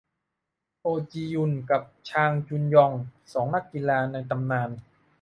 โอจียุนกับชางจุงยอง สองนักกีฬาในตำนาน